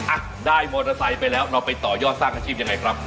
อ่ะได้มอเตอร์ไซค์ไปแล้วเราไปต่อยอดสร้างอาชีพยังไงครับ